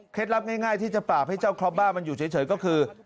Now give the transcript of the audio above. ลับง่ายที่จะปราบให้เจ้าครอบบ้ามันอยู่เฉยก็คือ